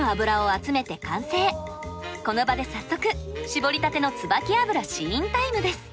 この場で早速搾りたてのつばき油試飲タイムです。